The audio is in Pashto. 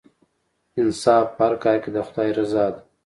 انصاف په هر کار کې د خدای رضا ده.